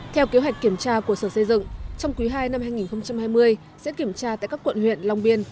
theo kế hoạch kiểm tra của sở xây dựng trong quý ii năm hai nghìn hai mươi sẽ kiểm tra tại các quận huyện long biên